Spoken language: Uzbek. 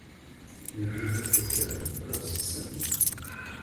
Yurganday kattalar biroz qisinib.